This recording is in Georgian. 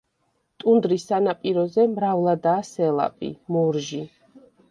ტუნდრის სანაპიროზე მრავლადაა სელაპი, მორჟი.